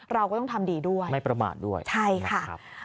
เราก็ต้องทำดีด้วยไม่ประมาณด้วยใช่นะครับ